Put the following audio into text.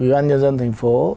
ubnd thành phố